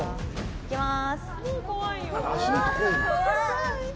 いきます。